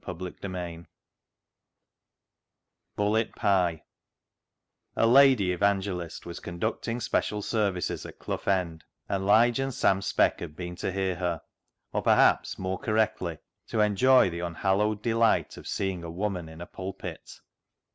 "Bullet" Pie 195 ^'Bullet" Pie A LADY evangelist was conducting special services at Clough End, and Lige and Sam Speck had been to hear her, or, perhaps more correctly, to enjoy the unhallowed delight of seeing a woman in a pulpit.